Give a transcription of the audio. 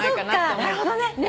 なるほどね